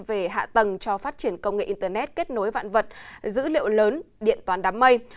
về hạ tầng cho phát triển công nghệ internet kết nối vạn vật dữ liệu lớn điện toán đám mây